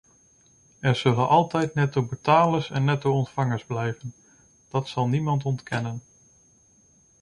Er zullen altijd nettobetalers en netto-ontvangers blijven, dat zal niemand ontkennen.